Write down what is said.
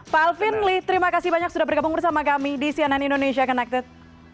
pak alvin lee terima kasih banyak sudah bergabung bersama kami di cnn indonesia connected